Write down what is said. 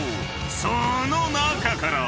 ［その中から］